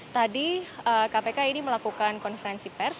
tadi kpk ini melakukan konferensi pers